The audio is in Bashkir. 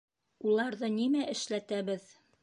Уларҙы нимә эшләтәбеҙ?